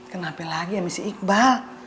kenapa lagi sama si iqbal